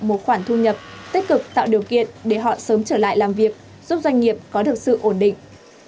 một khoản thu nhập tích cực tạo điều kiện để họ sớm trở lại làm việc giúp doanh nghiệp có được sự ổn định